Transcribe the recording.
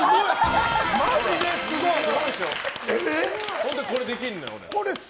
本当にこれできるのよ。